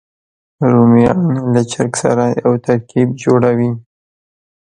رومیان له چرګ سره یو ترکیب جوړوي